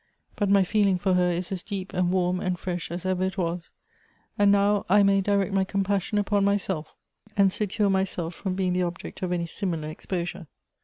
But my feeling for her is as deep and warm and fresh as ever it was; and now I may direct my compassion upon myself, and secure myself from being the object of any similar exposure."